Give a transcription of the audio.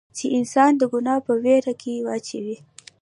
چې انسان د ګناه پۀ وېره کښې اچوي